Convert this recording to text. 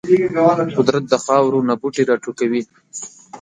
قدرت د خاورو نه بوټي راټوکوي.